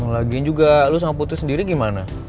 lagian juga lo sama putri sendiri gimana